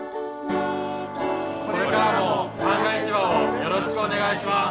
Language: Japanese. これからも旦過市場をよろしくお願いします。